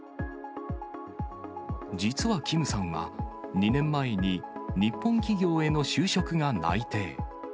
実はキムさんは、２年前に日本企業への就職が内定。